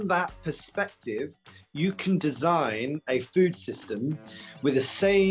dari perspektif itu anda bisa menginstallasi sistem makanan